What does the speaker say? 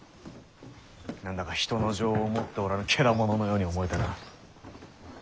何だか人の情を持っておらぬケダモノのように思えてな。